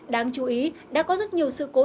đáng chú ý đã có rất nhiều sự cố